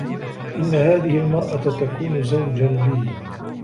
إنّ هذه المرأة تكون زوجًا لي.